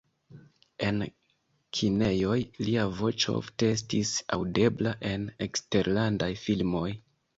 En kinejoj lia voĉo ofte estis aŭdebla en eksterlandaj filmoj.